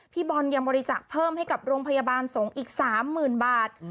พี่บอลยังบริจาคเพิ่มให้กับโรงพยาบาลสงฆ์อีก๓๐๐๐บาท